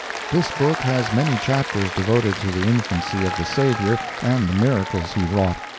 This book has many chapters devoted to the infancy of the Savior and the miracles he wrought.